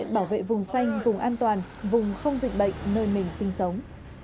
bảo vệ vùng xanh vùng an toàn vùng không dịch bệnh nơi mình sinh sống